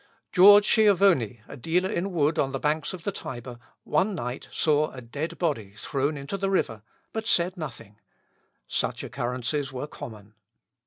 George Schiavoni, a dealer in wood on the banks of the Tiber, one night saw a dead body thrown into the river, but said nothing; such occurrences were common.